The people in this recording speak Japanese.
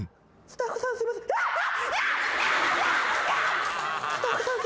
スタッフさんすいません。